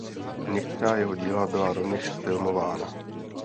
Některá jeho díla byla rovněž zfilmována.